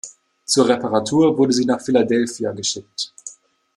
Zur Reparatur wurde sie nach Philadelphia geschickt.